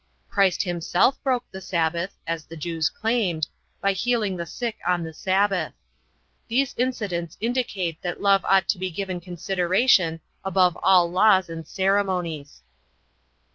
Christ himself broke the Sabbath (as the Jews claimed) by healing the sick on the Sabbath. These incidents indicate that love ought to be given consideration above all laws and ceremonies.